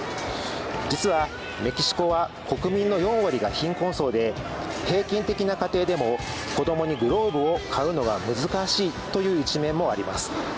実は、メキシコは国民の４割が貧困層で平均的な家庭でも子供にグローブを買うのが難しいという一面もあります。